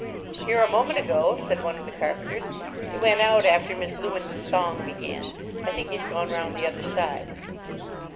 "Here a moment ago," said one of the carpenters. "He went out after Miss Lewin's song began. I think he's gone round the other side."